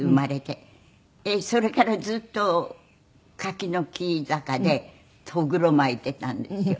それからずっと柿の木坂でトグロ巻いていたんですよ。